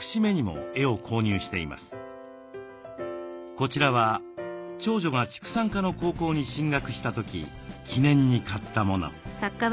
こちらは長女が畜産科の高校に進学した時記念に買ったもの。